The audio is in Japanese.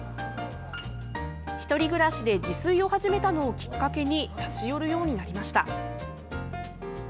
１人暮らしで自炊を始めたのをきっかけに立ち寄るようになりました。